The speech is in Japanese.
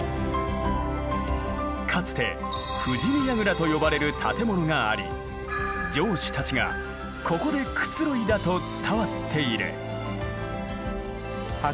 かつて富士見櫓と呼ばれる建物があり城主たちがここでくつろいだと伝わっている。